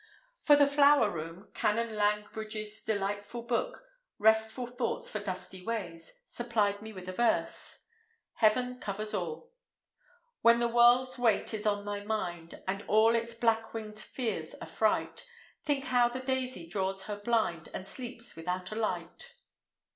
For the Flower room, Canon Langbridge's delightful book, Restful Thoughts for Dusty Ways, supplied me with a verse:— HEAVEN COVERS ALL. When the world's weight is on thy mind, And all its black winged fears affright, Think how the daisy draws her blind, And sleeps without a light.